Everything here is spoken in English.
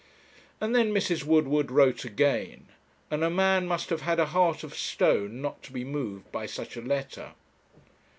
And then Mrs. Woodward wrote again; and a man must have had a heart of stone not to be moved by such a letter.